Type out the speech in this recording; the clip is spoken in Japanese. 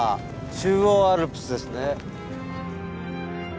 中央アルプスですね。